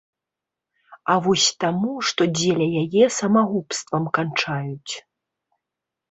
А вось таму, што дзеля яе самагубствам канчаюць.